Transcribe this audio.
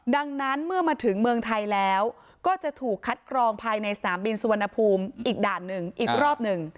ดังนั้นเมื่อมาถึงเมืองไทยแล้วก็จะถูกคัดกรองภายในสนามบินสุวรรณภูมิอีกด่านหนึ่งอีกรอบหนึ่ง